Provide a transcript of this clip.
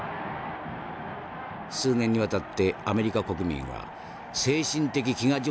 「数年にわたってアメリカ国民は精神的飢餓状態にあった。